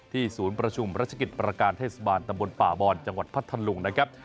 ศูนย์ประชุมรัชกิจประการเทศบาลตำบลป่าบอนจังหวัดพัทธลุงนะครับ